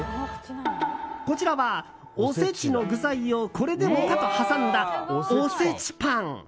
こちらは、おせちの具材をこれでもかと挟んだ、おせちパン。